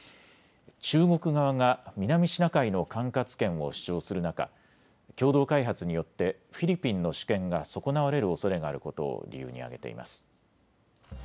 中国側が南シナ海の管轄権を主張する中、共同開発によってフィリピンの主権が損なわれるおそれがあることを理由に挙げています。